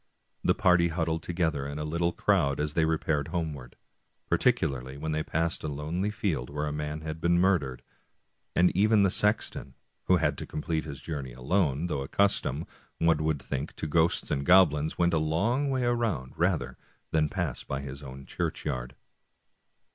The party huddled together in a little crowd as they repaired homeward, particularly when they passed a lonely field where a man had been murdered, and even the sexton, who had to complete his journey alone, though accustomed, one would think, to ghosts and goblins, went a long way round rather than pass by his own churchyard.